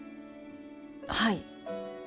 はい。